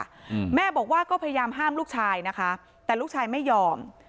อืมแม่บอกว่าก็พยายามห้ามลูกชายนะคะแต่ลูกชายไม่ยอม